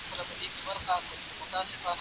د ولس دعا يې د بريا سرچينه بلله.